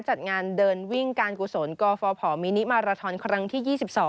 จัดงานเดินวิ่งการกุศลกฟภมินิมาราทอนครั้งที่๒๒